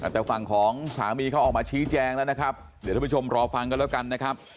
แต่ฝั่งของสามีเขาออกมาชี้แจงแล้วนะครับเดี๋ยวท่านผู้ชมรอฟังกันแล้วกันนะครับ